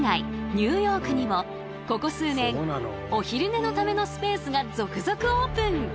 ニューヨークにもここ数年お昼寝のためのスペースが続々オープン。